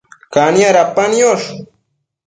Cania dapa niosh